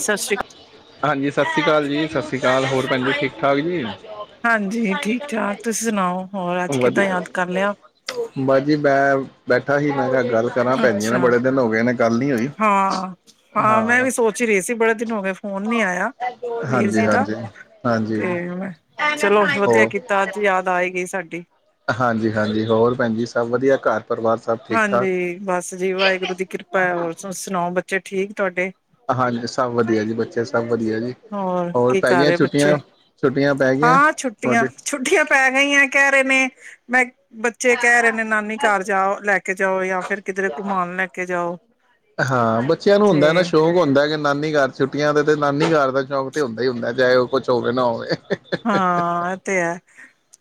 ਸਤਿ ਸ਼੍ਰੀ ਅਕਾਲ। ਹਾਂਜੀ ਸਤਿ ਸ੍ਰੀ ਅਕਾਲ ਜੀ ਸਤਿ ਸ਼੍ਰੀ ਅਕਾਲ ਹੋਰ ਭਣੀ ਠੀਕ ਠਾਕ ਜੀ ਹਾਂਜੀ ਠੀਕ ਠਾਕ ਤੁਸੀਂ ਸੁਣਾਓ ਹੋਰ ਅੱਜ ਕਿੱਦਾਂ ਵਧੀਆ ਯਾਦ ਕਰ ਲਿਆ ਬਸ ਜੀ ਮੈਂ ਬੈਠਾ ਸੀ ਮੈਂ ਕਿਹਾ ਗੱਲ ਕਰਾਂ ਪੈਂਦੀਆਂ ਨਾ ਅੱਛਾ। ਬੜੇ ਦਿਨ ਹੋ ਗਏ ਨੇ ਗੱਲ ਨੀ ਹੋਈ ਹਾਂ ਅਸੀ ਬੜੇ ਦਿਨ ਹੋ ਗਏ ਫੋਨ ਨੀ ਆਇਆ ਵੀਰ ਹਾਂਜੀ ਜੀ ਦਾ ਹਾਂਜੀ ਹਾਂਜੀ ਤੇ ਮੈਂ ਚਲੋ ਵਧੀਆ ਹੋਰ ਕੀਤਾ ਅੱਜ ਯਾਦ ਆਏਗੀਈ ਸਾਡੀ [unintelligible] ਹਾਂਜੀ ਹਾਂਜੀ ਹੋਰ ਭੈਣਜੀ ਸਭ ਵਧੀਆ ਘਰ ਪਰਿਵਾਰ ਸਭ ਠੀਕ ਠਾਕ ਹਾਂਜੀ ਬਸ ਜੀ ਵਾਹਿਗੁਰੂ ਦੀ ਕਿਰਪਾ ਹੈ ਹੋਰ ਤੁ ਸੁਣਾਓ ਬੱਚ ਅੱਛਾ ਠੀਕ ਤੁਹਾਡੇ ਹਾਂਜੀ ਸਭ ਵਧੀਆ ਜੀ ਬੱਚੇ ਸਭ ਵਧੀਆ ਜੀ ਹੋਰ ਕੀ ਪੈ ਕਰ ਗਈਆਂ ਰਹੇ ਬੱਚੇ ਛੁੱਟੀਆਂ ਛੁੱਟੀਆਂ ਪੈ ਗਈਆਂ ਹਾਂ ਛੁੱਟੀਆਂ ਤੁਹਾਡੇ ਛੁੱਟੀਆਂ ਪੈ ਗਈਆਂ ਕਹਿ ਰਹੇ ਨੇ ਮੈਂ ਬੱਚੇ ਕਹਿ ਰਹੇ ਨੇ ਨਾਨੀ ਘਰ ਜਾ ਲੈ ਕੇ ਕੇ ਜਾਓ ਜਾਂ ਆਪ ਹਾਂ ਬੱਚਿਆਂ ਨੂੰ ਤੇ ਹੁੰਦਾ ਨਾ ਸ਼ੌਕ ਹੁੰਦਾ ਨਾਨੀ ਘਰ ਛੁੱਟੀਆਂ ਦੇ ਤੇ ਨਾਨੀ ਘਰ ਦਾ ਚੌਂਕ ਤੇ ਹੁੰਦਾ ਹੀ ਹੁੰਦਾ ਚਾਹੇ ਉਹ ਕੁਛ ਹੋਵੇ ਨਾ ਹੋਵੇ ਹਾਂ ਇਹ ਤੇ ਹੈ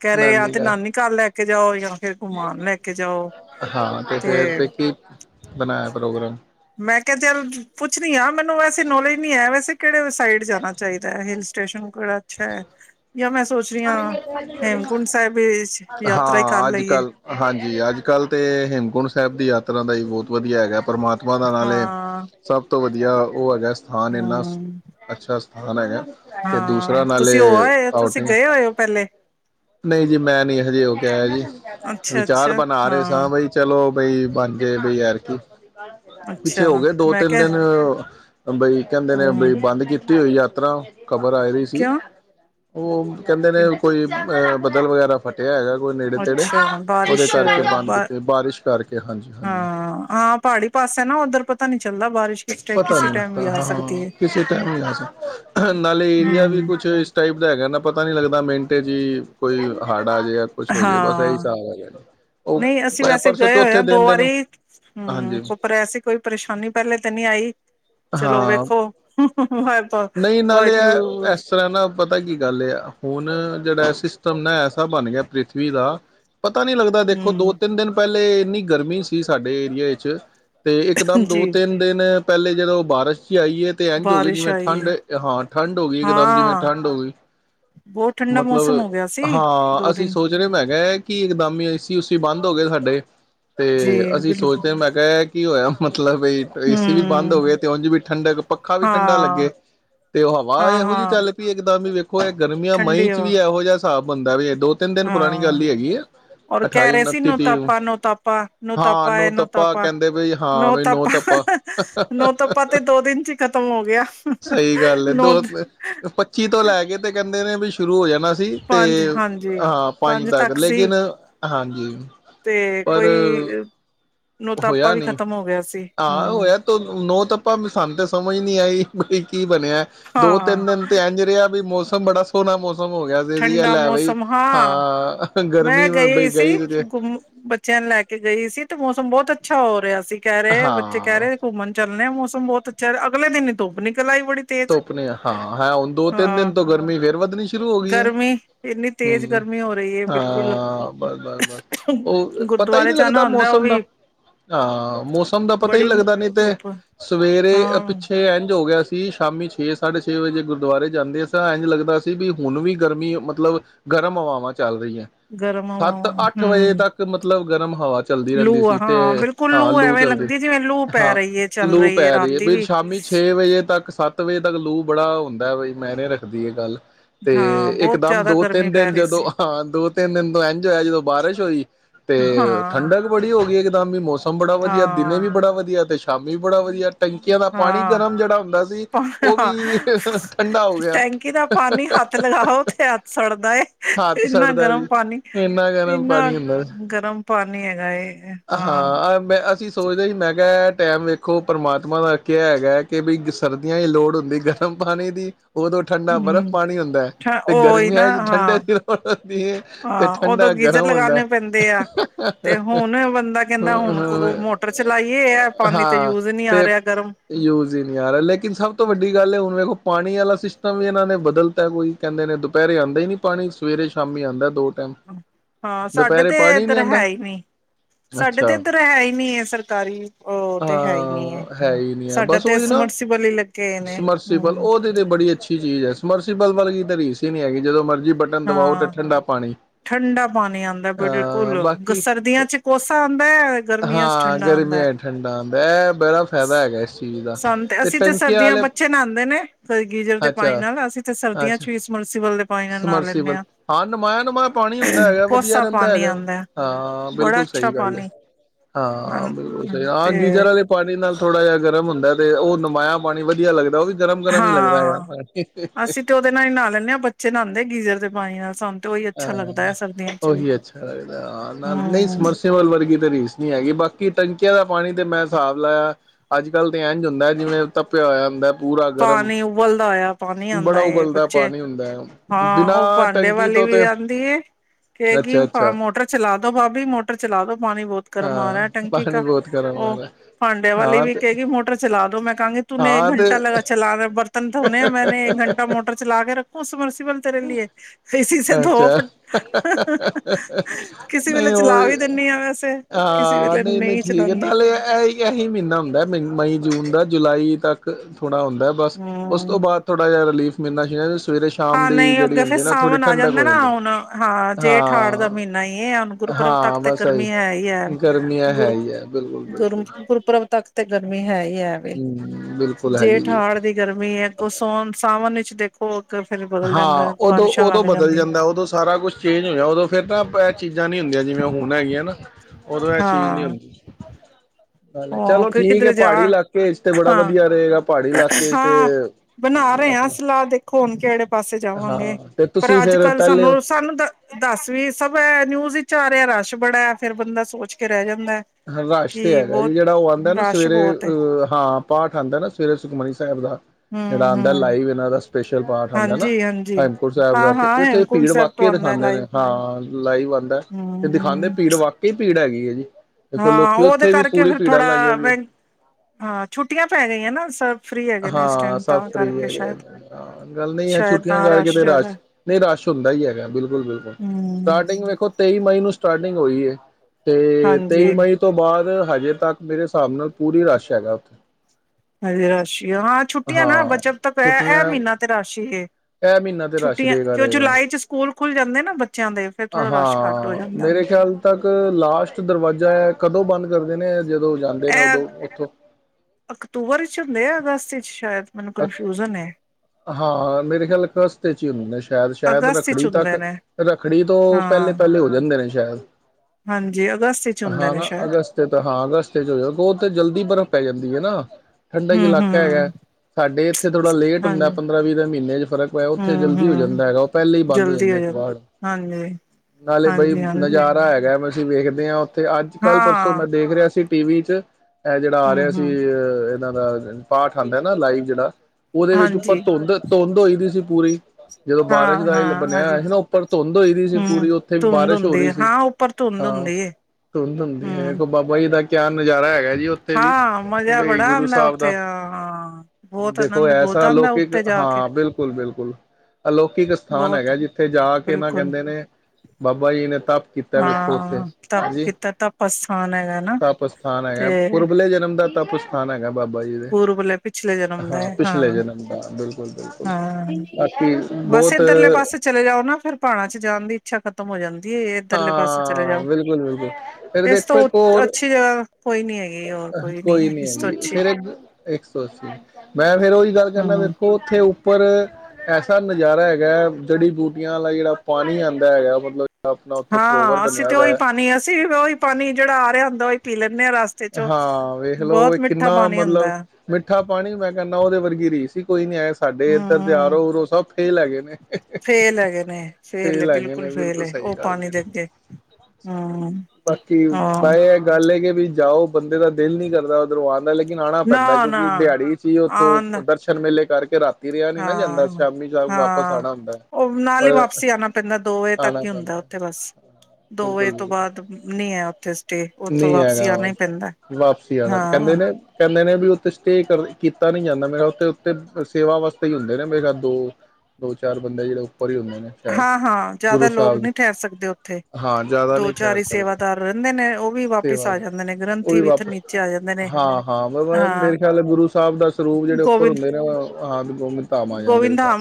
ਕਹਿ ਰਹੇ ਯ ਤੇ ਨਾਨੀ ਘਰ ਲੈ ਕੇ ਜਾਓ ਫਿਰ ਘੁਮਾਨ ਲੈ ਕੇ ਜਾਓ ਹਾਂ ਤੇ ਫ ਪਕੀ ਮੈਂ ਕਿਹਾ ਚੱਲ ਪੁੱਛਣੀ ਆ ਮੈਨੂੰ ਵੈਸੇ ਨੌਲੇਜ ਨੀ ਹੈ ਵੈਸੇ ਕਿਹੜੇ ਸਾਈਡ ਜਾਣਾ ਚਾਹੀਦਾ ਹੈ ਹਿਲ ਸਟੇਸ਼ਨ ਕੋ ਹੇਮਕੁੰਟ ਸਾਹਿਬ ਵਿੱਚ ਯਾਤਰਾ ਹੀ ਕਰ ਹਾਂ ਅੱਜ ਲਈਏ ਕੱਲ ਹਾਂਜੀ ਅੱਜ ਕੱਲ੍ਹ ਤੇ ਹੇਮਕੁੰਟ ਸਾਹਿਬ ਦੀ ਯਾਤ ਇਸ ਤਰ੍ਹਾਂ ਦਾ ਹੀ ਬਹੁਤ ਵਧੀਆ ਹੈਗਾ ਪਰਮਾਤਮਾ ਦਾ ਨਾਲੇ ਹਾਂ ਸਭ ਤੋਂ ਵਧਆ ਜਾਂ ਉਹ ਅ ਗਿਆ ਸਥਾਨ ਇੰਨਾ ਹਮ ਅੱਛਾ ਅਨਾ ਤੇ ਦੂਸਰਾ ਹਾਂ ਤੁਸੀਂ ਹੋ ਆਏ ਟ ਤੁਸੀਂ ਗਏ ਹੋਏ ਹੋ ਪਹਿਲੇ ਨਹੀਂ ਜੀ ਮੈਂ ਨੀ ਹਜੇ ਉਹ ਕਿਹਾ ਜੀ ਅੱਛਾ ਵਿਚਾਰ ਅੱਛਾ ਬਣਾ ਰਹੇ ਹਾਂ ਸਾਂ ਬਾਈ ਚਲੋ ਬਈ ਬਣ ਗਏ ਬਈ ਯਾਰ ਕੀ ਪਿੱਛੇ ਹੋ ਅੱਛਾ ਗਏ ਦੋ ਮੈਂ ਤਿੰਨ ਕਿਹਾ ਦਿਨ ਬਈ ਕਹਿੰਦੇ ਨੇ ਹਮ ਬਈ ਬੰਦ ਕੀਤੀ ਹੋਈ ਯਾਤਰਾ ਕਬਰ ਆਏ ਰਹੀ ਸੀ ਕਿਉਂ ਉਹ ਕਹਿੰਦੇ ਨੇ ਕਿਉਂ? ਕੋਈ ਬੱਦਲ ਵਗੈਰਾ ਫਟਿਆ ਹੈਗਾ ਕੋਈ ਨੇੜੇ ਤੇੜੇ ਅੱਛਾ ਉਹਦੇ ਬਾਰਿਸ਼ ਕਰਕੇ ਬ ਬੰਦ ਕੀਤੇ ਬਾਰਿਸ਼ ਕਰਕੇ ਹਾਂਜੀ ਹਾਂਜੀ ਹਾਂ ਹਾਂ ਪਹਾੜੀ ਪਾਸੇ ਨਾ ਉੱਧਰ ਪਤਾ ਨ ਨਹੀਂ ਚੱਲਦਾ ਬਾਰਿਸ਼ ਕਿਸ ਟ ਪਤਾ ਕਿਸੇ ਨੀ ਟਾਈਮ ਵੀ ਲੱਗਦਾ ਆ ਸਕਦੀ ਹਾਂ ਹੈ। ਕਿਸੇ ਟਮ ਨਾਲੇ ਏਰੀਆ ਵੀ ਹਮ ਕੁਛ ਇਸ ਟਾਈਪ ਦਾ ਹੈਗਾ ਪਤਾ ਨੀ ਲੱਗਦਾ ਮੇ ਤੇ ਜੀ ਕੋਈ ਹ ਹਾਂ ਉਹ ਨਹੀਂ ਅਸੀਂ ਵੈਸੇ ਪਰਸੋਂ ਗਏ ਹੋਏ ਚੌਥੇ ਹਾਂ ਦੋ ਦਿਨ ਦੇ ਨੂੰ ਵਾਰੀ ਹਮ ਹਾਂਜੀ ਕੋਪਰ ਐਸੀ ਕੋਈ ਪਰੇਸ਼ਾਨੀ ਪਹਿਲੇ ਤਾਂ ਨਹੀਂੀ ਆਈ ਚਲੋ ਹਾਂ ਵੇਖੋ ਵਾਹ ਨਹੀਂ ਨਾਲੇ ਵਾਹਿਗੁਰੂ ਇਸ ਤਰ੍ਹਾਂ ਨਾ ਪਤਾ ਕੀ ਗੱਲ ਹੈ ਹੁਣ ਜਿਹੜਾ ਸਿਸਟਮ ਨਾ ਐਸਾ ਬਣ ਗਿਆ ਪ੍ਰਿਥਵੀ ਦਾ ਪਤਾ ਨਹੀਂੀ ਲੱਗਦਾ ਦੇਖੋ ਦੋ ਹਮ ਤਿੰਨ ਦਿਨ ਪਹਿਲੇ ਇੰਨੀ ਗਰਮੀ ਸੀ ਸਾਡੇ ਏਰੀਏ ਚ ਤੇ ਇਕਦਮ ਦੋ ਜੀ ਤਿੰਨ ਦਿਨ ਪਹਿਲੇ ਜਦੋਂ ਉਹ ਬਾਰਿਸ਼ ਆਈਏ ਤੇ ਇਂਝ ਹੋ ਗਏ ਬਾਰਿਸ਼ ਜਿਵੇਂ ਆਈ ਠੰਡ ਹੈ ਹਾਂ ਠੰਢ ਹੋ ਗਈ ਇਕਦਮ ਜਿਵੇਂ ਹਾਂ ਠੰਡ ਹੋ ਗਈ ਬਹੁਤ ਠੰਡਾ ਮੌਸਮ ਮਤਲਬ ਹੋ ਗਿਆ ਸੀ ਹਾਂ ਦੋ ਅਸੀਂ ਦਿਨ ਸੋਚ ਰਹੇ ਮੈਂ ਕਿਹਾ ਹੈ ਕਿ ਇੱਕਦਮ ਹੀ ਏਸੀ ਉਸੀ ਬੰਦ ਹੋ ਗਏ ਸਾਡੇ ਤੇ ਜੀ ਅਸੀਂ ਬਿਲਕੁਲ ਸੋਚਦੇ ਹ ਮੈਂ ਕਿਹਾ ਕੀ ਹੋਇਆ ਮਤਲਬ ਵੀ ਏਸੀ ਵੀ ਬੰਦ ਹਮ ਹੋਵੇ ਤੇ ਉਝ ਵੀ ਠੰਡਕ ਪੱਖਾ ਵੀ ਠੰਡਾ ਲੱਗੇ ਹਾਂ ਤੇ ਉਹ ਹਵਾ ਹਾਂ ਇਹੋ ਜਿਹੀ ਹਾਂ ਚੱਲ ਪਈ ਇੱਕਨ ਦਾ ਵੀ ਵਖ ਦੇਖੋ ਇਹ ਗਰਮੀਆਂ ਮਈ ਠੰਡੀ ਚ ਹਵਾ ਵੀ ਇਹੋ ਜਿਹਾ ਹਿਸਾਬ ਬੰਦਾ ਵੀ ਦੋ ਤਿੰਨ ਦਿਨ ਪੁਰਾਣੀ ਗੱਲ ਹੀ ਹੈਗੀ ਹੈ ਹਾਂ ਰ ਕਹਿ ਅਠਾਈ ਰਹੇ ਸੀ ਉਨੱਤੀ ਤੀਹ ਨੂੰ ਨੋਤਾਪਾ ਨੋਤਾਪਾ ਹਾਂ ਨੋਤਾਪਾ ਨੋ ਏ ਧੱਪਾ ਨੋਤਾਪਾ ਕਹਿੰਦੇ ਬਈ ਹਾਂ ਬਈ ਨੋ ਨੋਤਾਪਾ ਧੱਪਾ ਨੋਤਾਪਾ ਤੇ ਦੋ ਦਿਨ ਚ ਹੀ ਖਤਮ ਹੋ ਗਿਆ ਸਹੀ ਗੱਲ ਹੈ ਨੋ ਦੋ ਪੱਚੀ ਤੋਂ ਲੈ ਕੇ ਤੇ ਕਹਿੰ ਦੇ ਨੇ ਵੀ ਸ਼ੁਰੂ ਹੋ ਜਾਣਾ ਸੀ ਤੇ ਪੰਜ ਹਾਂਜੀ ਹਾਂ ਪੰਜ ਤੱਕ ਸੀ ਲੇਕਿਨ ਹਾਂਜੀ ਤੇ ਪਰ ਕੋਈ ਨੋਤਾਪਾ ਹੋਇਆ ਵੀ ਨੀ ਖਤਮ ਹੋ ਗਿਆ ਸੀ ਹਾਂ ਹੂੰ ਹੋਇਆ ਤ ਨੋ ਤਾਂਪਾ ਸਾਨੂੰ ਤੇ ਸਮਝ ਨਹੀਂੀ ਆਈ ਗ ਕੀ ਬਣਿਆ ਦੋ ਹਾਂ ਤਿੰਨ ਦਿਨ ਤੇ ਇੰਝ ਰਿਹਾ ਵੀਸ ਮੌਸਮ ਬੜਾ ਸੋਹਣਾ ਮੌਸਮ ਹੋ ਗਿਆ ਸੀ ਸੀਗਾ ਠੰਡਾ ਲੈ ਬਈ ਮੌਸਮ ਹਾਂ ਮੈਂ ਗਰਮੀ ਗਈ ਬਈ ਸੀ ਤੇ ਘੁਮਾਣ ਬੱਚਿਆਂ ਨੂੰ ਲੈ ਕੇ ਗਈ ਸੀ ਤੇ ਮੌਸਮ ਬਹੁਤ ਅੱਾ ਅੱਛਾ ਹੋ ਰਿਹਾ ਸੀ ਕਹਿ ਰਹੇ ਬੱਚੇ ਕਹਿ ਹਾਂ ਰਹੇ ਘੁੰਮਣ ਚੱਲਣੇ ਆ ਮੌਸਮ ਬਹੁਤ ਅ ਚਾਰ ਅਗਲੇ ਦਿਨ ਹੀ ਤੁੱਪਣੀ ਧੁੱਪ ਨੇ ਹਾਂ ਹੈ ਹੁਣ ਦੋ ਤਿੰਨ ਦਿਨ ਹਾਂ ਤੋਂ ਗਰਮੀ ਫੇਿਰ ਵੱਧਣੀ ਸ਼ੁਰੂ ਹੋ ਗਈ ਗਰਮੀ ਇੰਨੀ ਤੇਜ਼ ਹਮ ਗਰਮੀ ਹੋ ਰਹੀ ਹੈ ਬਿਲਕੁਲ ਹਾਂ ਬਸ ਬਸ ਬਸ ਉਹ ਪਤਾ ਹੀ ਗੁਰਦੁਆਰੇ ਨਹੀਂ ਜਾਣਾ ਲੱਗਦਾ ਹੁੰਦਾ ਉਹ ਮੌਸਮ ਦਾ ਵੀ ਹਾਂ ਮੌਸਮ ਦਾ ਪਤਾ ਹੀ ਬੜੀ ਲੱਗਦਾ ਨਹੀਂ ਤੇ ਧੁੱਪ ਸਵੇਰੇ ਹਾਂ ਪਿੱਛੇ ਇੰਝ ਹੋ ਗਿਆ ਕੀ ਸ਼ਾਮੀ ਛੇ ਸਾਢੇ ਛੇ ਵਜੇ ਗੁਰਦੁਆਰੇ ਜਾਂਦੇ ਸ ਇੰਝ ਲੱਗਦਾ ਸੀ ਵੀ ਹੁਣ ਵੀ ਗਰਮੀ ਮਤਲਬ ਗਰਮ ਹਵਾਵਾਂ ਚੱਲ ਰਹੀ ਹੈ ਗਰਮ ਸੱਤ ਹਵਾਵਾਂ ਅੱਠ ਵਜੇ ਹੂੰ ਤੱਕ ਮਤਲਬ ਗਰਮ ਹਵਾ ਚੱਲਦੀ ਲੂ ਰਹਿੰਦੀ ਆ ਸੀ ਤੇ ਹਾਂ ਬਿਲਕੁਲ ਹਾਂ ਲੂ ਐਵੇਂ ਚੱਲਦੀ ਲੱਗਦੀ ਜਿਵੇਂ ਲੂ ਪੈ ਹਾਂ ਰਹੀ ਹੈ ਚੱਲ ਲੂ ਪੈ ਰਹੀ ਹੈ ਰਾਤੀ ਵੀਰ ਵੀ ਸ਼ਾਮੀ ਛੇ ਵਜੇ ਤੱਕ ਸੱਤ ਵਜੇ ਤੱਕ ਲੂ ਬੜਾ ਹੁੰਦਾ ਬ ਮੈਂ ਨਹੀਂ ਰੱਖਦੀ ਹੈ ਗੱਲ ਤੇ ਹਾਂ ਬਹੁਤ ਇਕਦਮ ਜ਼ਿਆਦਾ ਦੋ ਗਰਮੀ ਤਿੰਨ ਪੈ ਦਿਨ ਰਹੀ ਜਦੋਂ ਸੀ ਹਾਂ ਦੋ ਤਿੰਨ ਦਿਨ ਤੋਂ ਇੰਝ ਹੋਇਆ ਜਦੋਂ ਬਾਰਿਸ਼ ਹੋਈ ਤੇ ਹਾਂ ਠੰਡਕ ਬੜੀ ਹੋ ਗਈ ਦਾ ਵੀ ਮੌਸਮ ਬੜਾ ਵਧੀਆ ਦਿਨੇ ਹਾਂ ਵੀ ਬੜਾ ਵਧੀਆ ਤੇ ਸ਼ਾਮੀ ਵੀ ਬੜਾ ਵਧੀਆ ਟੈਂਕੀਆਂ ਦਾ ਪਾਣੀ ਗਰਮ ਜਿਹੜਾ ਹੁੰਦਾ ਸੀ ਉਹ ਹਾਂ ਵੀ ਠੰਡਾ ਹੋ ਗਿਆ ਟੈਂਕੀ ਦਾ ਪਾਣੀ ਹੱਥ ਲਗਾਓ ਤੇ ਹੱਥ ਸੜਦਾ ਹੱਥ ਇੰਨਾ ਸੜਦਾ ਗਰਮ ਸੀ ਪਾਣੀ ਇੰਨਾ ਗਰਮ ਇੰਨਾ ਪਾਣੀ ਹੁੰਦਾ ਸੀ ਗਰਮ ਪਾਣੀ ਹੈਗਾ ਹਾਂ ਮੈਂ ਅਸੀਂ ਸੋਚਦੇ ਸੀ ਮੈਂ ਟਾਈਮ ਵੇਖੋ ਪਰਮਾਤਮਾ ਦਾ ਕਿਹਾ ਹੈਗਾ ਕਿ ਬ ਸਰਦੀਆਂ ਦੀ ਲੋੜ ਹੁੰਦੀ ਗਰਮ ਪਾਣੀ ਦੀ ਉਦੋਂ ਠੰਡਾ ਬਰਫ਼ ਹੂੰ ਪਾਣੀ ਹੁੰਦਾ ਹੈ ਤੇ ਉਹ ਹੀ ਨਾ ਗਰਮੀਆਂ ਚ ਠੰਡੇ ਹਾਂ ਚ ਤੇ ਹਾਂ ਉਦੋਂ ਠੰਡਾ ਗੀਜ਼ਰ ਗਰਮ ਹੁੰਦਾ ਲਗਾਣੇ ਪੈਂਦੇ ਆ ਹ ਤੇ ਹੁਣ ਬੰਦਾ ਕਹਿੰਦਾ ਹੁਣ ਹ ਮੋਟਰ ਚਲਾਈਏ ਇਹ ਪਾਣੀ ਤੇ ਹਾਂ ਯੂਜ ਨਹੀਂ ਆ ਤੇ ਰਿਹਾ ਗਰਮ ਯੂਜ ਹੀ ਨਹੀਂੀ ਆ ਰਿਹਾ ਲੇਕਿਨ ਸਭ ਸਭ ਤੋਂ ਵੱਡੀ ਗੱਲ ਹੈ, ਹੁਣ ਵੇਖੋ ਪਾਣੀ ਵਾਲਾ ਸਿਸਟਮ ਵੀ ਇਹਨਾਂ ਨੇ ਬਦਲਤਾ ਹੁਣ ਕਹਿੰਦੇ ਨੇ ਦੁਪਹਿਰੇ ਆਉਂਦਾ ਹੀ ਨਹੀਂ ਪਾਣੀ ਸਵੇਰੇ ਸ਼ਾਮੀ ਆਉਂਦਾ ਦੋ ਟਾਈਮ ਹਾਂ ਸਾਡੇ ਦੁਪਹਿਰੇ ਤੇ ਪਾਣੀ ਨਹੀਂ ਇਧਰ ਹੈ ਆਉਂਦਾ ਹੀ ਨੀ ਸਾਡੇ ਤੇ ਅੱਛਾ ਇਧਰ ਹੈ ਹੀ ਨਹੀਂ ਹੈ ਸਰਕਾਰੀ ਉਹ ਤੇ ਹੈ ਹੀ ਨੀ ਹੈ। ਹਾਂ ਹੀ ਨਹੀਂ ਹੈ ਸਾਡਾ ਬਸ ਤੇ ਉਹੀ ਨਾ ਸਮਰਸੀਬਲ ਹੀ ਲੱਗੇ ਨੇ ਸਮਰਸੀਬਲ ਹਮ ਉਹ ਤੇ ਤੇ ਬੜੀ ਅੱਛੀ ਚੀਜ਼ ਹੈ। ਸਮਰਸੀਬਲ ਵਰਗੀ ਤਾਂ ਰਰੀਸੀ ਸੀ ਨੀ ਹੈਗੀ ਜਦੋਂ ਮਰਜ਼ ਜ ਬਟਨ ਦਵਾਓ ਤੇ ਹਾਂ ਠੰਡਾ ਪਾਣੀ ਠੰਡਾ ਪਾਣੀ ਆਉਂਦਾ ਹਾਂ ਬਿਲਕੁਲ ਬਾਕੀ ਸਰਦੀਆਂ ਚ ਕੋਸਾ ਆਉਂਦਾ ਹੈ ਗਰਮੀਆਂ ਚ ਹਾਂ ਠੰਡਾ ਆਉਂਦਾ ਹੈ ਗਰਮੀਆਂ ਠੰਡਾ ਆਉਂਦਾ ਇਹ ਬੜਾ ਫਾਇਦਾ ਹੈਗਾ ਇਸ ਚੀਜ਼ ਦਾ ਤੇ ਟੰਕੀਆਂ ਆਲੇ ਪਿੱਛੇ ਨਹਾਉਂਦੇ ਨੇ ਗੀਜਰ ਦੇ ਪਾਣੀ ਨਾਲ ਅਸੀਂ ਤੇ ਸਰਦੀਆਂ ਅੱਛਾ ਚ ਵੀ ਸਮਰਸਿਬਲ। ਪਾਣੀ ਨਾਲੇ ਸਮਰਸੀਬਲ ਹਾਂ ਨਮਾਇਆ, ਨਮਾਇਆ ਪਾਣੀ ਹੁੰਦਾ ਹੈਗਾ ਵਧੀਆ ਕੋਸਾ ਰਹਿੰਦਾ ਪਾਣੀ ਹੈਗਾ ਆਂਦਾ ਹਾਂ ਬੜਾ ਬਿਲਕੁਲ ਅੱਛਾ ਸਹੀ ਗੱਲ ਹੈ। ਪਾਣੀ ਹਾਂ ਬਿਲਕੁਲ ਸਹੀ ਹਾਂ ਤੇ ਗੀਜਰ ਵਾਲੇ ਪਾਣੀ ਨਾਲ ਥੋੜ੍ਹਾ ਜਿਹਾ ਗਰਮ ਹੁੰਦਾ। ਤੇ ਉਹ ਨਮਾਇਆ ਪਾਣੀ ਵਧੀਆ ਲੱਗਦਾ ਉਹ ਵੀ ਗਰਮ ਗਰਮ ਹੀ ਲੱਗਦਾ ਹੈਗਾ ਹਾਂ ਅਸੀਂ ਤੇ ਉਹਦੇ ਨਾਲ ਹੀ ਨਾ ਲੈਂਦੇ ਹਾਂ ਬੱਚੇ ਨਾਉਂਦੇ ਗੀਜ਼ਰ ਤੇ ਪਾਣੀ ਨਾਲ ਤੇ ਉਹੀ ਅੱਛਾ ਲੱਗਦਾ ਹੈ ਹਾਂ ਸਰਦੀਆਂ ਚ ਵੀ ਉਹੀ ਅੱਛਾ ਲੱਗਦਾ ਨਾਲ ਨਹੀਂ ਹਮ ਸਮਰਸਿਵਲ ਵਰਗੀ ਤਾਂ ਰੀਸ ਨਹੀਂ ਹੈਗੀ ਬਾਕੀ ਟੈਂਕੀਆਂ ਦਾ ਪਾਣੀ ਤੇ ਮੈਂ ਹਿਸਾਬ ਲਾਇਆ ਅੱਜ ਕਲ ਤੇ ਇਂਝ ਹੁੰਦਾ ਜਿਵੇਂ ਤਪਿਆ ਹੋਇਆ ਹੁੰਦਾ ਏ ਪਾਣੀ ਉਬਲਦਾ ਹੋਇਆ ਪਾਣੀ ਆਉਂਦਾ ਬੜਾ ਉਬਲਦਾ ਬੱਚੇ ਪਾਣੀ ਹੁੰਦਾ ਹੈ ਹਾਂ ਉਹ ਬਿਨਾਂ ਭਾਂਡੇ ਟੰਕੀ ਵਾਲੇ ਤੋਂ ਵੀ ਏ ਤੇ ਆਉਂਦੀ ਕੇ ਗੀ ਅੱਛਾ ਅੱਛਾ ਮੋਟਰ ਚਲਾ ਦੋ ਓਂ ਬਾਬੀ ਮੋਟਰ ਚਲਾ ਦੋ ਪਾਣੀ ਬਹੁਤ ਗਰਮ ਆ ਰਿਹਾ ਹੈ ਹਾਂ ਟੈਂਕੀ ਪਾਣੀ ਕਾ, ਬਹੁਤ ਗਰਮ ਉਹ ਵਾਲਾ ਫਾਂਡਿਆਂ ਵਾਲੀ ਹਾਂ ਵੀ ਤੇ ਕਹਿਗੀਈ ਮੋਟਰ ਚਲਾ ਦੋ ਮੈਂ ਕਹਾਂਗੀ ਤੂੰਣੇ ਏਕ ਹਾਂ ਤੇ ਘੰਟੇ ਓਂ ਚਲਾ ਰੇ ਬਰਤਨ ਧੋਣੇ ਮੈਂਨੇ ਇੱਕ ਘੰਟਾ ਮੋਟਰ ਚਲਾ ਕੇ [unintelligible] ਅੱਛਾ, ਵੇਲੇ ਨਹੀਂ ਉਹ ਚਲਾ ਵੀ ਦਿੰਨੀ ਆ ਵੈਸੇ ਕਿਸੇ ਹਾਂ ਵੇਲੇ ਨਹੀਂ ਨਹੀਂ ਠੀਕ ਚਲਾਉਂਦੀ ਨਾਲੇ ਐਹੀ ਇਹੀ ਮਹੀਨਾ ਹੁੰਦਾ ਮਈ ਜੂਨ ਦਾ ਜੁਲਾਈ ਤੱਕ ਥੋੜਾ ਹੁੰਦਾ ਏ ਬਸ ਉਸ ਹੂੰ ਤੋਂ ਬਾਅਦ ਥੋੜਾ ਜਿਹਾ ਰਿਲੀਫ ਮਿਲਨਾ ਜੇ ਨਾ ਸਵੇਰੇ ਸ਼ਾਮ ਦੀ ਜਿਹੜੀ ਅ ਫਿਰ ਹੁੰਦੀ ਨਾ ਥੋੜ੍ਹੀ ਸਾਵਣ ਆ ਠੰਡਕ ਜਾਂਦਾ ਹੋ ਨਾ ਜਾਂਦੀ ਹੁਣ ਹਾਂ ਜੇਠ, ਹਾੜ ਦਾ ਹਾਂ ਮਹੀਨਾ ਈ ਇਹ ਹੁਣ ਗੁਰਪੁਰਬ ਤੱਕ ਹਾਂ ਤੇ ਬਸ ਗਰਮੀ ਹੈ ਹੀ ਹੈ, ਇਹੀ ਗਰਮੀਆਂ ਹੈ ਗੁਰ, ਹੀ ਹੈ ਬਿਲਕੁਲ ਗੁਰ ਬਿਲਕੁਲ ਗੁਰਪੁਰਬ ਤੱਕ ਤੇ ਗਰਮੀ ਹੈ। ਵੀ ਹੈ ਵੇ, ਹਮ ਬਿਲਕੁਲ ਹੈਗੀ ਜੇਠ, ਜੀ ਹਾੜ ਦੀ ਗਰਮੀ ਹੈ ਕੋ ਸੋਨ, ਸਾਵਨ ਕੁਛ ਦੇਖੋ ਅੱਗੇ ਫੇਰ ਬਦਲ ਹਾਂ ਜਾਂਦਾ ਔਦੋਂ, ਬਾਰਿਸ਼ਾਂ ਔਦੋਂ ਲੱਗ ਬਦਲ ਜਾਂਦੀ ਜਾਂਦਾ ਉਦੋਂ ਸਾਰਾ ਕੁਛ ਚੇਂਜ ਹੋਇਆ ਉਦੋਂ ਫੇਰ ਤਾ ਪੈ ਚੀਜ਼ਾਂ ਨੀ ਹੁੰਦੀਆਂ ਜਿਵੇਂ ਹੁਣ ਹੈਗੀਆਂ ਨਾ। ਉਦੋਂ ਇਹ ਚੀਜ਼ ਨਹੀਂ ਹਾਂ ਹੁੰਦੀ ਉਹ ਚਲੋ ਕੋਈ ਠੀਕ ਹੈ ਕਿੱਧਰੇ ਜਾ ਪਹਾੜੀ ਇਲਾਕੇ ਚ ਤੇ ਬੜਾ ਹਾਂ ਵਧੀਆ ਰਹੇਗਾ ਪਹਾੜੀ ਇਲਾਕੇ ਚ ਤੇ ਹਾਂ ਬਣਾ ਰਹੇ ਹਾਂ ਆਪਣਾ ਸਲਾਹ ਦੇਖੋ ਹੁਣ ਕਿਹੜੇ ਪਾਸੇ ਜਾਵਾਂਗੇ ਹਾਂ ਤੇ ਪਰ ਤੁਸੀਂ ਅੱਜ ਫੇਰ ਕੱਲ੍ਹ ਪਹਿਲੇ ਹੋ ਸਾਨੂੰ ਸਾਨੂੰ ਦ ਦੱਸ ਵੀ ਸਭ ਨਿਊਜ [unintelligible] ਰਸ਼ ਬੜਾ ਫੇਿਰ ਬੰਦਾ ਸੋਚ ਕੇ ਰਹਿ ਜਾਂਦਾ ਰਸ਼ ਤਾਂ ਜੀ ਹੈਗਾ ਈ ਬਹੁਤ ਆ ਜਿਹੜਾ ਉਹ ਆਉਂਦਾ ਨਾ ਰਸ਼ ਸਵੇਰੇ ਬਹੁਤ ਹੈ ਅਹ ਹਾਂ ਪਾਠ ਆਉਂਦਾ ਨਾ ਸਵੇਰੇ ਸੁਖਮਨੀ ਸਾਹਿਬ ਦਾ ਜਿਹੜਾ ਆਉਂਦਾ ਹੂੰ-ਹੂੰ ਲਾਈਵ ਇਹਨਾਂ ਦਾ ਸਪੈਸ਼ਲ ਪਾਠ ਆਂਦਾ ਨਾ ਹਾਂਜੀ ਹਾਂਜੀ ਹੇਮਕੁੰਟ ਸਾਹਿਬ ਦਾ ਤੇ ਹਾਂ-ਹਾਂ ਉੱਥੇ ਹੇਮਕੁੰਟ ਭੀੜ ਸਾਹਿਬ ਤੋਂ ਵਾਕੇ ਆਉਂਦਾ ਦਿਖਾਉਂਦੇ ਲਾਈਵ ਨੇ ਹਾਂ ਲਾਈਵ ਬੰਦਾ ਤੇ ਦਿਖਾਉਂਦੇ ਹੂੰ ਭੀੜ ਵਾਕਈ ਭੀੜ ਹੈਗੀ ਠੀ ਜੀ ਦੇਖੋ ਹਾਂ ਲੋਕੀ ਉਹਦੇ ਉੱਥੇ ਵੀ ਕਰਕੇ ਪੂਰੀ ਫਿਰ ਭੀੜਾਂ ਥੋੜਾ ਲਾਈਆਂ ਦੀਆਂ ਹਾਂ ਛੁੱਟੀਆਂ ਪੈ ਗਈਆਂ ਨਾ ਸ ਹਾਂ ਸਭ ਫ੍ਰੀ ਹੈਗੇ ਗੱਲ ਨਹੀਂ ਹੈ ਸ਼ਾਇਦ ਛੁੱਟੀਆਂ ਤਾਂ ਕਰਕੇ ਤੇ ਜ਼ਿਆਦਾ ਰਸ਼ ਨਹੀਂ ਰਸ਼ ਹੁੰਦਾ ਹੀ ਹੈਗਾ ਬਿਲਕੁਲ ਬਿਲਕੁਲ ਹੂੰ ਸਟਾਰਟਿੰਗ ਵੇਖੋ ਤੇਈ ਮਈ ਨੂੰ ਸਟਾਰਟਿੰਗ ਹੋਈ ਹੈ ਤੇ ਤੇਈ ਹਾਂਜੀ ਮਈ ਤੋਂ ਬਾਅਦ ਹਜੇ ਤੱਕ ਮੇਰੇ ਹਿਸਾਬ ਨਾਲ ਪੂਰੀ ਰਸ਼ ਹੈਗਾ ਉੱਥੇ ਹਜੇ ਰੱਸ਼ ਅੱਛ ਹਾਂ ਛੁੱਟੀਆਂ ਨਾ ਹਾਂ ਬਚਬ ਤੱਕ ਇਹ ਛੁੱਟੀਆਂ ਮਹੀਨਾ ਤੇ ਰਸ਼ ਹੀ ਇਹ ਇਹ ਮਹੀਨਾ ਤੇ ਰਸ਼ ਦਾ ਰਹੇਗਾ ਰਹੇਗਾ ਸਕੂਲ ਖੁੱਲ ਜਾਂਦੇ ਨਾ ਬੱਚਿਆਂ ਦੇ ਫਿਰ ਥੋੜਾ ਰਸ਼ ਘੱਟ ਹੋ ਹਾਂ ਜਾਂਦਾ ਮੇਰੇ ਖਿਆਲ ਤੱਕ ਲਾਸਟ ਦਰਵਾਜ਼ਾ ਹੈ ਕਦੋਂ ਬੰਦ ਕਰਦੇ ਨੇ ਜਦੋਂ ਜਾਂਦੇ ਨੇ ਇਹ ਉਦੋਂ ਉੱਥੋਂ ਅਕਤੂਬਰ ਵਿੱਚ ਹੁੰਦੇ ਆ ਅਗਸਤ ਵਿੱਚ ਅੱਛਾ ਅੱ ਹਾਂ ਮੇਰੇ ਖਿਆਲ ਕਸਤੇ [inaudible] ਸ਼ਾਇਦ ਸ਼ਾਇਦ ਅਗਸਤ ਵਿੱਚ ਰੱਖੜੀ ਤੱਕ ਹੁੰਦੇ ਨੇ ਰੱਖੜੀ ਤੋਂ ਪਹਿਲੇ ਹਾਂ ਪਹਿਲੇ ਹੋ ਜਾਂਦੇ ਨੇ ਛਦ ਹਾਂਜੀ ਅਗਸਤ ਵਿੱਚ ਹੁੰਦੇ ਹਾਂ ਨੇ ਨਾ ਸ਼ਾਇਦ ਅਗਸਤ ਤਾਂ ਹਾਂ ਅਗਸਤ ਚ ਹੋ ਉਹ ਤੇ ਜਲਦੀ ਬਰਫ਼ ਪੈ ਜਾਂਦੀ ਦੀ ਹੈ ਨਾ ਠੰਡਾ ਈ ਹੂੰ ਇਲਾਕਾ ਹੂੰ ਹੈਗਾ ਸਾਡੇ ਇੱਥੇ ਥੋੜਾ ਲੇਟ ਹੁੰਦਾ ਹਾਂਜੀ ਪੰਦਰਾਂ ਵੀਹ ਦੇ ਮਹੀਨੇ ਚ ਫ਼ਰਕ ਪਇਆ ਹੂੰ ਉੱਥੇ ਜਲਦੀ ਹੋ ਹੂੰ ਜਾਂਦਾ ਹੈਗਾ ਉਹ ਪਹਿਲੇਾਂ ਹੀ ਬੰਦ ਹੋ ਜਲਦੀ ਜਾਂਦੇ ਜਾਂਦਾ ਕਵਾੜ ਹਾਂਜੀ ਨਾਲੇ ਬਈ ਹਾਂਜੀ ਹਾਂਜੀ ਨਜ਼ਾਰਾ ਹੈਗਾ ਅਸੀਂ ਵੇਖਦੇ ਆਂ। ਤੇ ਅੱਜ, ਕੱਲ੍ਹ, ਪਰਸੋਂ ਹਾਂ ਮੈਂ ਦੇਖ ਰਿਹਾ ਸੀ। ਟੀਵੀ 'ਚ ਇਹ ਜਿਹੜਾ ਆ ਹੂੰ ਰਿਹਾ ਸੀ ਹੂੰ ਇਹਨਾਂ ਦਾ- ਪਾਠ ਆਂਦਾ ਨਾ ਲਾਈਵ। ਜਿਹੜਾ ਉਦੇ ਵਿੱਚ ਉੱਪਰ ਹਾਂਜੀ ਧੁੰਦ ਧੁੰਦ ਹੋਈ ਦੀ ਸੀ। ਪੂਰੀ ਜਦੋਂ ਹਾਂ ਬਾਰਿਸ਼ ਦਾ ਏ ਹਾਂ ਬਣਿਆ ਹਾਂਜੀ ਹੋਇਆ ਹੀ ਨਾ ਉੱਪਰ ਧੁੰਦ ਹੋਈ ਦੀ ਸੀ ਹੂੰ ਪੂਰੀ। ਉੱਥੇ ਧੁੰਦ ਬਾਰਿਸ਼ ਹੋ ਹੁੰਦੀ ਰਹੀ ਹੈ ਸੀ। ਹਾਂ ਉੱਪਰ ਧੁੰਦ ਹਾਂ, ਹੁੰਦੀ ਹੈ ਧੁੰਦ ਹੁੰਦੀ ਹੈ ਹੂੰ ਦੇਖੋ ਬਾਬਾ ਜੀ ਦਾ- ਕਿਆ ਨਜ਼ਾਰਾ ਹੈਗਾ ਜੀ ਉੱਥੇ ਵੀ ਹਾਂ ਮਜ਼ਾ ਬਈ ਬੜਾ ਗੁਰੂ ਆਂਦਾ ਸਾਹਿਬ ਉੱਥੇ। ਦਾ ਹਾਂ -ਹਾਂ ਬਹੁਤ- ਦੇਖੋ ਆਨੰਦ ਬਹੁਤ ਐਸਾ ਆਉਂਦਾ ਲੋਕਿਕ ਉੱਤੇ ਜਾ ਕੇ ਹਾਂ ਬਿਲਕੁਲ ਬਿਲਕੁਲ ਅਲੌਕਿਕ ਅਸਥਾਨ ਬਹੁਤ ਹੈਗਾ ਜਿੱਥੇ ਜਾ ਕੇ ਨਾ ਬਿਲਕੁਲ ਕਹਿੰਦੇ ਨੇ ਬਾਬਾ ਜੀ ਨੇ ਤੱਪ ਕੀਤਾ ਵੇਖੋ ਉੱਥੇ। ਹਾਂ ਤਪ ਜੀ ਕੀਤਾ ਤਪ ਅਸਥਾਨ ਹੈਗਾ ਨਾ -ਤਪ ਅਸਥਾਨ ਹੈਗਾ ਤੇ ਪੁਰਬਲੇ ਜਨਮ ਦਾ। ਤਪੁ ਸਥਾਨ ਹੈ ਪੂਰਬਲੇ ਪਿਛਲੇ ਜਨ- ਹਾਂ ਪਿਛਲੇ ਜਨਮ ਦਾ ਬਿਲਕੁਲ ਬਿਲਕੁਲ ਹਾਂ- ਬਾਕੀ ਬਸ ਬਹੁਤ ਇੱਧਰਲੇ ਪਾਸੇ ਚਲੇ ਜਾਓ ਨਾ ਫੇਰ ਪਹਾੜਾਂ ਚ ਜਾਣ ਦੀ ਇੱਛਾ ਖਤਮ ਹੋ ਜਾਂਦੀ ਹੈ ਇੱਧਰਲੇ ਪਾਸੇ ਚਲੇ ਹਾਂ, ਜਾਓ ਬਿਲਕੁਲ- ਬਿਲਕੁਲ। ਫੇਰ ਇਸ ਤੋਂ ਦੇਖੋ ਇੱਕ ਹੋਰ ਅੱਛੀ ਜਗ੍ਹਾ ਕੋਈ ਨੀ ਹੈਗੀ ਹੋਰ ਕੋਈ ਹੈ ਨੀ ਇਸ ਤੋਂ ਹੈਗੀ। ਅੱਛੀ ਫੇਰ ਇੱਕ ਸੌ ਅੱਸੀ। ਮੈਂ ਫੇਰ ਉਹੀ ਗੱਲ ਕਰਨਾ ਹਮ ਵੇਖੋ ਉੱਥੇ- ਪਰ ਐਸਾ ਨਜ਼ਾਰਾ ਹੈਗਾ ਜੜੀ ਬੂਟੀਆਂ ਅਲਾ ਜਿਹੜਾ ਪਾਣੀ ਆਂਦਾ ਹੈਗਾ ਮਤਲਬ- ਆਪਣਾ ਉੱਥੇ ਸਰੋਵਰ ਹਾਂ ਅਸੀਂ ਬਣਿਆ ਤੇ ਦਾ ਉਹੀ ਹੈ ਪਾਣੀ। ਅਸੀਂ ਵੀ ਉਹੀ ਪਾਣੀ ਜਿਹੜਾ ਆ ਰਿਹਾ ਹੁੰਦਾ ਉਹੀ- ਪੀ ਲੈਨੇ ਹਾਂ ਵੇਖ ਲਓ ਇਹ ਮਿੱਠਾ ਕਿੰਨਾ ਪਾਣੀ ਮਤਲਬ ਹੁੰਦਾ ਮਿੱ ਹੈ। ਮਿੱਠਾ ਪਾਣੀ ਮੈਂ ਕਹਿੰਦਾ ਉਹਦੇ ਵਰਗੀ ਰੀਸ ਕੋਈ ਨੀ ਐ। ਸਾਡੇ ਇੱਧਰ ਦੇ ਆਰ ਹਮ ਓ, ਊਰੋ ਸਭ ਫੇਲ ਹੈਗੇ ਨੇ। ਫੇਲ ਹੈਗੇ ਨੇ ਫੇਲ ਹੈਗੇ ਨੇ ਫੇਲ ਬਿਲਕੁਲ ਸਹੀ ਉਹ ਗੱਲ ਪਾਣੀ ਦੇ ਜਿਹੜੀ। ਅੱਗੇ ਹਮ ਚਲੋ-ਬਾਕੀ ਹਾਂ ਮ ਗੱਲ ਏ ਕਿ- ਵੀ ਜਾਓ ਬੰਦੇ ਦਾ ਦਿਲ ਨੀ ਕਰਦਾ ਉਧਰੋਂ ਆ ਲੇਕਿਨ ਆਣਾ ਪੈਂਦਾ ਨਾ ਨਾ ਕਿਉਂਕਿ ਦਿਆੜੀ 'ਚ ਹੀ ਆਨ ਉੱਥੋਂ ਦਰਸ਼ਨ ਮੇਲੇ- ਕਰਕੇ ਰਾਤ ਹਾਂ ਹਾਂ ਹੁੰਦਾ ਉਹ ਨਾਲ ਹੀ ਪਰ ਵਾਪਸੀ ਆਣਾ ਪੈਂਦਾ ਦੋ ਵਜੇ ਤੱਕ ਆਉਣਾ ਈ ਹੁੰਦਾ ਪੈਂਦਾ ਉੱਥੇ ਬਸ। ਦੋ ਬਿਲਕੁਲ ਵਜੇ ਤੋਂ ਬਿਲਕੁਲ ਬਾਅਦ ਨੀ ਐ ਉੱਥੇ ਸਟੇ। ਉੱਥੋਂ ਨਹੀਂ ਵਾਪਸੀ ਹੈਗਾ ਉਹ ਆਣਾ- ਵਾਪਸੀ ਆਣਾ ਕਹਿੰਦੇ ਨੇ -ਕਹਿੰਦੇ ਨੇ ਵੀ ਉੱਥੇ ਸਟੇ ਕੀਤਾ ਨੀ ਜਾਂਦਾ। ਮੇਰਾ ਉੱਥੇ ਉੱਥੇ ਸੇਵਾ ਵਾਸਤੇ ਹੀ ਹੁੰਦੇ ਨੇ ਮੇਰੇ ਖਿਹਾ ਦੋ- ਦੋ ਚਾਰ ਬੰਦੇ ਜਿਹੜੇ ਉੱਪਰ ਈ ਹੁੰਦੇ ਨੇ। ਸ਼ਾਇਦ ਹਾਂ ਹਾਂ ਗੁਰੂ ਜ਼ਿਆਦਾ ਲੋਕ ਸਾਹਿਬ ਦੀ, ਨਹੀਂ ਠਹਿਰ ਸਕਦੇ ਉੱਥੇ ਹਾਂ ਜ਼ਿਆਦਾ ਦੋ ਨਹੀਂ ਚਾਰ ਠਹਿਰ ਹੀ ਸਕਦੇ ਸੇਵਾਦਾਰ ਰਹਿੰਦੇ ਨੇ ਉਹ ਵੀ ਵਾਪਿਸ ਸੇਵਾ ਆ ਦਾ ਜਾਂਦੇ ਨੇ ਉਹ ਵੀ ਗ੍ਰੰਥੀ ਵਾਪਸ ਨੀਚੇ ਆ ਜਾਂਦੇ ਨੇ ਹਾਂ ਹਾਂ ਮੇਰੇ ਖਿਆਲ ਗੁਰੂ ਸਾਹਿਬ ਦਾ ਸਰੂਪ ਜਿਹੜੇ ਉੱਪਰ ਗੋਬਿੰਦ ਹੁੰਦੇ ਨੇ ਹਾਂ ਗੋਮੀਿ ਧਾਮ ਆ ਜਾਂਦੇ ਗੋਬਿੰਦ ਹ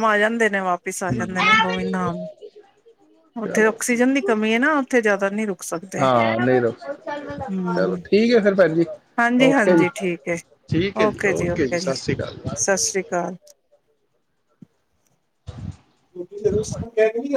ਗੋਬਿੰਦਉੱਥੇ ਚਲੋ ਆਕਸੀਜਨ ਦੀ ਕਮੀ ਹੈ ਨਾ ਉੱਥੇ ਜ਼ਿਆਦਾ ਨਹੀਂ ਰੁਕ ਸਕਦੇ ਹਾਂ ਨਹੀਂ ਰੋ ਚਲੋ ਠੀਕ ਹੈ ਫਿਰ ਭੈਣ ਜੀ ਹਾਂਜੀ ਓਕੇ ਹਾਂਜੀ ਜੀ ਠੀਕ ਹੈ ਠੀਕ ਹੈ ਜੀ ਓਕੇ ਜੀ ਸਤਿ ਸ਼੍ਰੀ ਸਤਿ ਅਕਾਲੀ ਸ਼੍ਰੀ ਅਕਾਲ ਕਹਿ ਕੇ ਨੀ